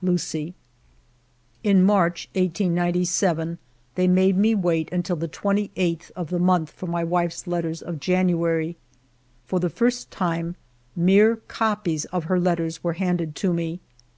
Lucie." In March, 1897, they made me wait until the 28th of the month for my wife's letters of Janu ary. For the first time, mere copies of her letters were handed to me.